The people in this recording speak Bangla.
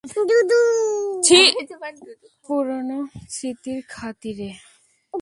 পুরনো স্মৃতির খাতিরে?